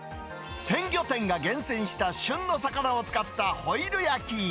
鮮魚店が厳選した旬の魚を使ったホイル焼き。